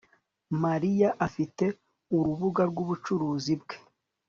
Mariya afite urubuga rwubucuruzi bwe